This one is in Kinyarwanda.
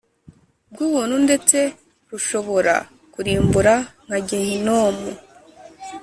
bw umuntu ndetse rushobora kurimbura nka Gehinomu